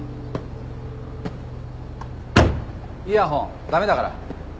イヤホン駄目だから。